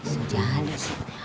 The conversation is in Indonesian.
sudah ada sih